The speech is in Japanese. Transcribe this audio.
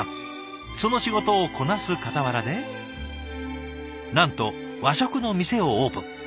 その仕事をこなすかたわらでなんと和食の店をオープン。